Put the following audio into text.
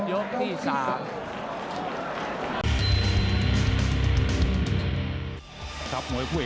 แล้วทีมงานน่าสื่อ